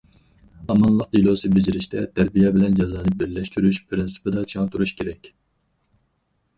ئامانلىق دېلوسى بېجىرىشتە، تەربىيە بىلەن جازانى بىرلەشتۈرۈش پىرىنسىپىدا چىڭ تۇرۇش كېرەك.